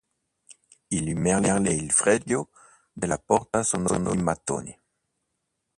I merli e il fregio della porta sono di mattoni.